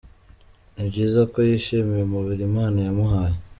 Ni byiza ko yishimiye umubiri imana yamuhaye.